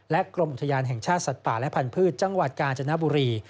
กรมอุทยานแห่งชาติสัตว์ป่าและพันธุ์จังหวัดกาญจนบุรี